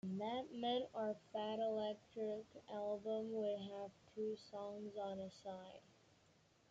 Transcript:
And that meant our fat electric album would have two songs on a side.